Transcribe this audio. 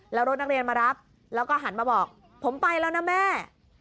แล้วรถนักเรียนมารับแล้วก็หันมาบอกผมไปแล้วนะแม่